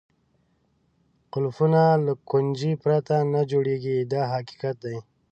قلفونه له کونجۍ پرته نه جوړېږي دا حقیقت دی.